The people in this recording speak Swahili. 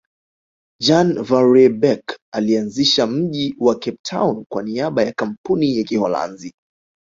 Jan van Riebeeck alianzisha mji wa Cape Town kwa niaba ya Kampuni ya Kiholanzi